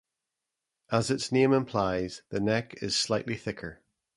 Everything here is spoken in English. As its name implies, the neck is slightly thicker.